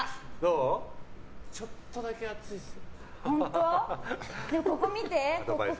ちょっとだけ厚いですね。